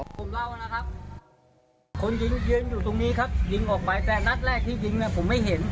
ผมเล่านะครับคนยิงยืนอยู่ตรงนี้ครับยิงออกไปแต่นัดแรกที่ยิงเนี่ยผมไม่เห็น